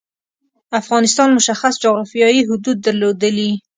افغانستان مشخص جعرافیايی حدود درلودلي.